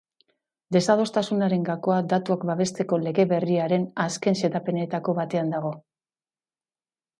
Desadostasunaren gakoa datuak babesteko lege berriaren azken xedapenetako batean dago.